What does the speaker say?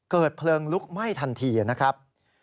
เกิดเพลิงลุกไหม้ทันทีนะครับ